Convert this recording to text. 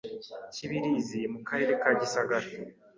Kibirizi mu karere ka Gisagara